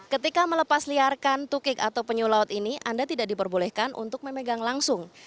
ketika melepas liarkan tukik atau penyu laut ini anda tidak diperbolehkan untuk memegang langsung